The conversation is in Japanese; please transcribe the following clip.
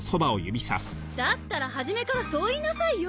だったら初めからそう言いなさいよ！